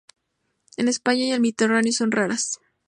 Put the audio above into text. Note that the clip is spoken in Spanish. En España y el Mediterráneo son raras.